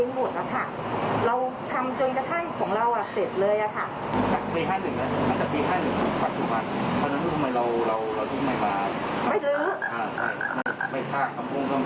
เราจะหาความเป็นธรรมจากยังไงนะคะมันมีอะไรที่จะให้ความเป็นธรรมกับเราได้บ้าง